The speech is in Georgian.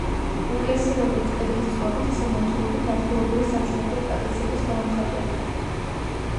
ეკლესია, როგორც კედლის წყობით, ისე მორთულობით, ადგილობრივი სამშენებლო ტრადიციების გამომხატველია.